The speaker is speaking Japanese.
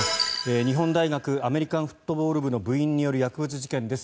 日本大学アメリカンフットボール部の部員による薬物事件です。